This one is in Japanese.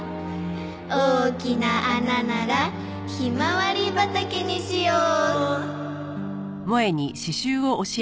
大きな穴ならひまわり畑にしよう。